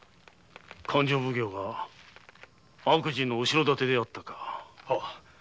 勘定奉行が悪事の後ろ盾であったか。